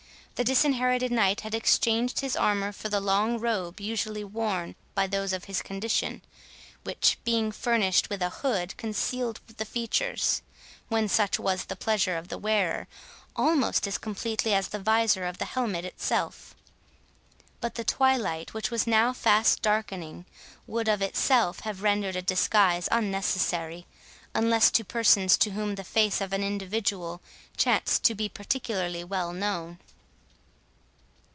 The Disinherited Knight had exchanged his armour for the long robe usually worn by those of his condition, which, being furnished with a hood, concealed the features, when such was the pleasure of the wearer, almost as completely as the visor of the helmet itself, but the twilight, which was now fast darkening, would of itself have rendered a disguise unnecessary, unless to persons to whom the face of an individual chanced to be particularly well known.